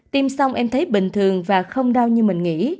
tim xong em thấy bình thường và không đau như mình nghĩ